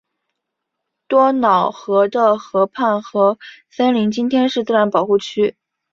多瑙河的河畔和森林今天是自然保护区。